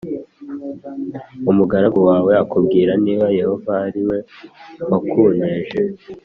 Umugaragu wawe akubwira niba yehova ari we wakunteje